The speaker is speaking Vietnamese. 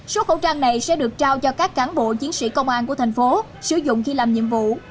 số khẩu trang này sẽ được trao cho các cán bộ chiến sĩ công an của thành phố sử dụng khi làm nhiệm vụ